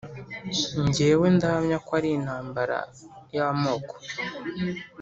jyewe ndahamya ko ari intambara y’amoko,